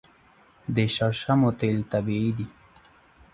د شړشمو تیل طبیعي دي.